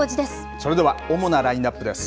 それでは主なラインナップです。